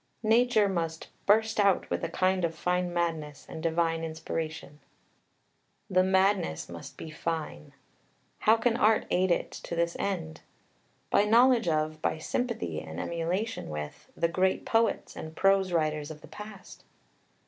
Nature must "burst out with a kind of fine madness and divine inspiration." The madness must be fine. How can art aid it to this end? By knowledge of, by sympathy and emulation with, "the great poets and prose writers of the past."